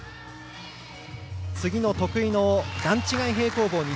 次の得意の段違い平行棒に